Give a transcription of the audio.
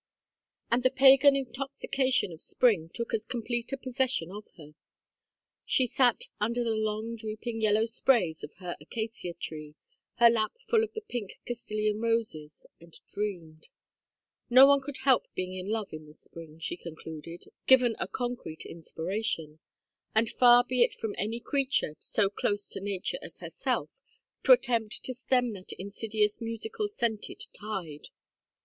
And the pagan intoxication of spring took as complete a possession of her. She sat under the long drooping yellow sprays of her acacia tree, her lap full of the pink Castilian roses, and dreamed. No one could help being in love in the spring, she concluded, given a concrete inspiration; and far be it from any creature so close to nature as herself to attempt to stem that insidious musical scented tide.